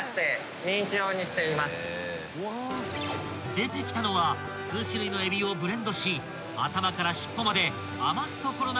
［出てきたのは数種類のえびをブレンドし頭から尻尾まで余すところなくすりつぶした］